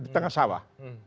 di tengah sawah